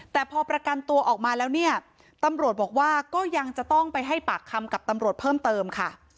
แต่พอประกันตัวออกมาแล้วเนี่ยตำรวจบอกว่าก็ยังจะต้องไปให้ปากคำกับตำรวจเพิ่มเติมค่ะ